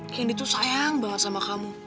hendy tuh sayang banget sama kamu